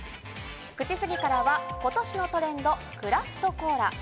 ９時過ぎからは今年のトレンド、クラフトコーラ。